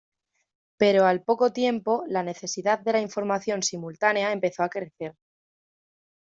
Pero, al poco tiempo, la necesidad de la información simultánea empezó a crecer.